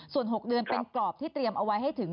ส่วน๖เดือนเป็นกรอบที่เตรียมเอาไว้ให้ถึง